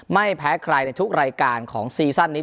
ไม่แพ้ใครในทุกรายการของซีซั่นนี้